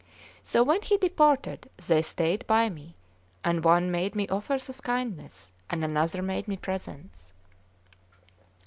So, when he departed, they stayed by me, and one made me offers of kindness, and another made me presents.